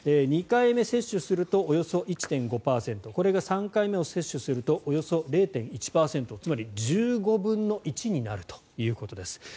２回目接種するとおよそ１．５％これが３回目を接種すると０．１％つまり１５分１になるということです。